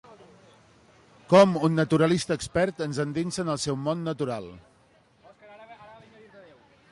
Com un naturalista expert ens endinsa en el seu món natural.